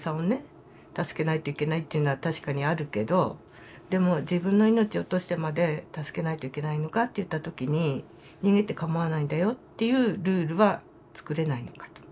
助けないといけないっていうのは確かにあるけどでも自分の命を落としてまで助けないといけないのかっていった時に逃げて構わないんだよっていうルールは作れないのかとうん。